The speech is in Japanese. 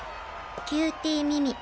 キューティーミミ。